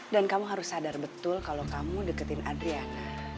dan kamu harus sadar betul kalau kamu deketin adriana